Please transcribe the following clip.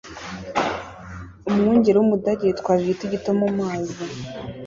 Umwungeri w’umudage yitwaje igiti gito mumazi